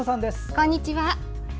こんにちは。